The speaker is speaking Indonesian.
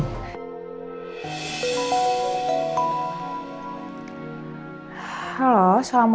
aku akan kukerjakan